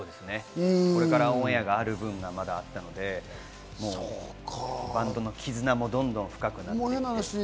これからオンエアがある分があったので、バンドの絆もどんどん深くなっていって。